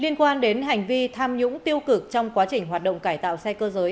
liên quan đến hành vi tham nhũng tiêu cực trong quá trình hoạt động cải tạo xe cơ giới